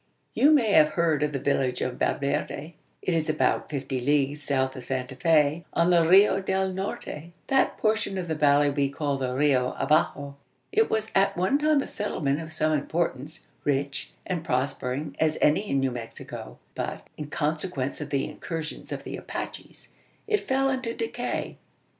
You may have heard of the village of Valverde? It is about fifty leagues south of Santa Fe, on the Rio del Norte that portion of the valley we call the Rio Abajo. It was at one time a settlement of some importance rich and prospering as any in New Mexico but, in consequence of the incursions of the Apaches, it fell into decay.